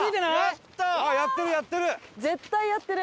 やってるやってる！